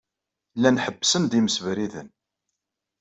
Llan ḥebbsen-d imsebriden.